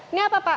ini apa pak